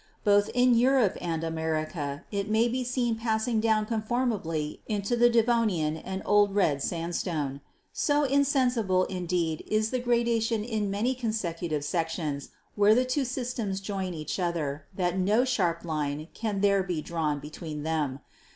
Both in Europe and America it may be seen passing down conformably into the Devonian and Old Red Sandstone. So insensible indeed is the gradation in many consecutive sections where the two systems join each other that no sharp line can there be drawn between them.